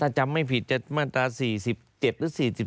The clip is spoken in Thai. ถ้าจำไม่ผิดจะมาตรา๔๗หรือ๔๗